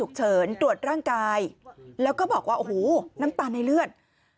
เขาบอกว่าน้ำตาลในเลือด๔๐๐